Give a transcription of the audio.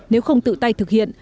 nếu không tự tay thực hiện